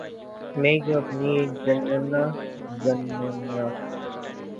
مَیں کیوں اپنی جاننا گننا